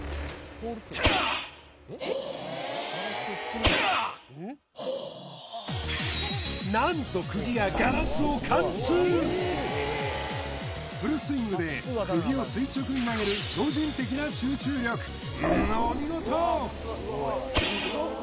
ホォー何と釘がガラスを貫通フルスイングで釘を垂直に投げるお見事